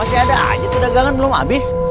udah dagangan belum habis